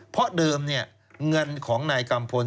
เพราะเดิมเงินของนายกัมพล